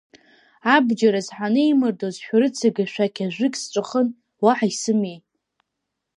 Абџьараз ҳанеимырдоз, шәарыцага шәақь ажәык сҵәахын, уаҳа исымеи.